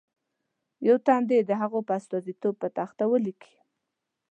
یو تن دې د هغو په استازیتوب په تخته ولیکي.